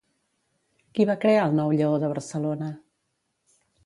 Qui va crear el nou Lleó de Barcelona?